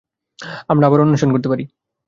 আমরা আবার অন্বেষণ করতে পারি।